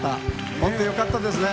本当、よかったですね。